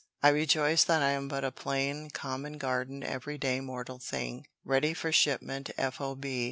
I rejoice that I am but a plain, common garden, everyday mortal thing, ready for shipment, f. o. b.